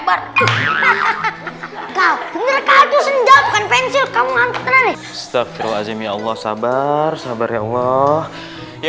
sebenarnya kartu senjata kan pensil kamu antre stok teruazim ya allah sabar sabar ya allah ya